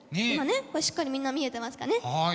今ねしっかりみんな見えてますかね。